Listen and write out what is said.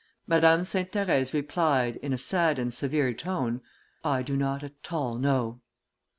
Madame Sainte Therèse replied, in a sad and severe tone, "I do not at all know."